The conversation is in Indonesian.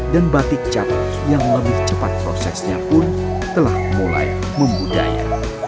dan batik cap yang lebih cepat prosesnya pun telah mulai membudaya